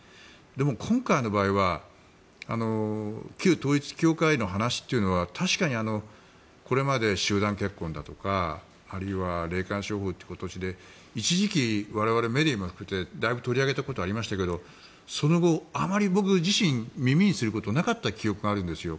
でも、今回の場合は旧統一教会の話というのは確かにこれまで集団結婚だとかあるいは霊感商法という形で一時期、我々メディアも含めてだいぶ取り上げたこともありましたけどその後、あまり僕自身耳にすることがなかった記憶があるんですよ。